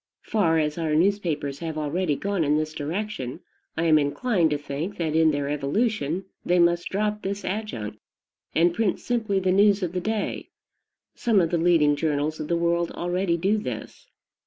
Far as our newspapers have already gone in this direction, I am inclined to think that in their evolution they must drop this adjunct, and print simply the news of the day. Some of the leading journals of the world already do this.